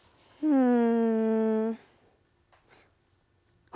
うん。